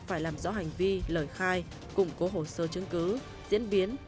phải làm rõ hành vi lời khai củng cố hồ sơ chứng cứ diễn biến